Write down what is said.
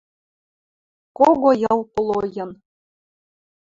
Кого Йыл полойын